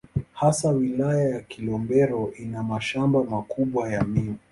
Hasa Wilaya ya Kilombero ina mashamba makubwa ya miwa.